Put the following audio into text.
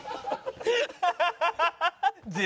ハハハハ！